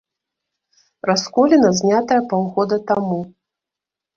Расколіна, знятая паўгода таму.